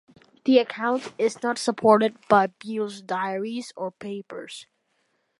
The account is not supported by Beale's diaries or papers.